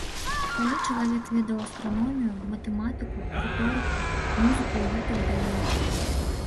Калі чалавек ведаў астраномію, матэматыку, рыторыку, музыку і гэтак далей.